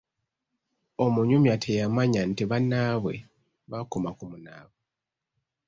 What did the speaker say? Omunyumya teyamanya nti bannaabwe baakoma ku munaabo.